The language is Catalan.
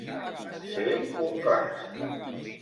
Ser un glaç.